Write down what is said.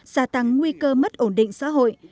giả tăng nguy cơ mất ổn định xã hội